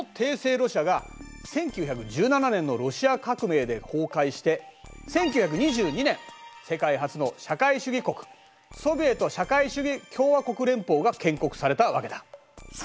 ロシアが１９１７年のロシア革命で崩壊して１９２２年世界初の社会主義国ソビエト社会主義共和国連邦が建国されたわけだ。